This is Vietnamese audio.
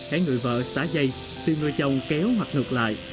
hãy người vợ xá dây tùy người chồng kéo hoặc ngược lại